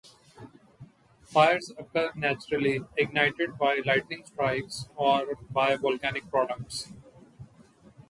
Fires occur naturally, ignited by lightning strikes or by volcanic products.